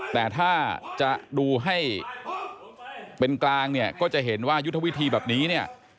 แต่ถ้าจะดูให้เป็นกลางเนี่ยก็จะเห็นว่ายุทธวิธีแบบนี้เนี่ย